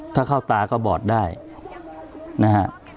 ถ้าเข้าตาก็บอดได้นะฮะ